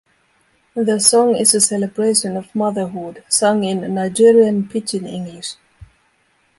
The song is a celebration of motherhood, sung in Nigerian Pidgin English.